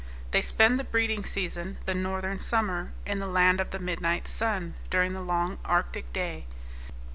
They spend the breeding season, the northern summer, in the land of the midnight sun, during the long arctic day.